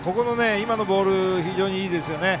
今のボールも非常にいいですよね。